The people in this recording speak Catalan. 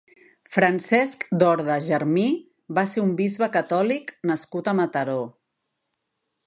Francesc Dorda Germí va ser un bisbe catòlic nascut a Mataró.